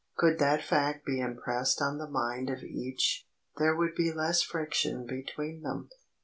Could that fact be impressed on the mind of each, there would be less friction between them.